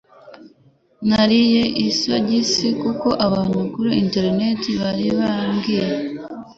Nariye isogisi kuko abantu kuri enterineti barambwiye.